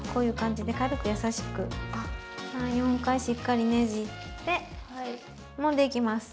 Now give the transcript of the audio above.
３４回しっかりねじってもんでいきます。